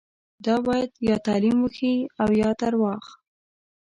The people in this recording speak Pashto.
دا باید یا تعلیم وښيي او یا درواغ.